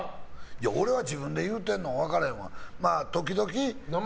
俺は自分で言うてんのは分かれへんわ。